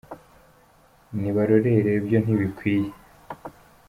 Nibarorere byo ntibikwiye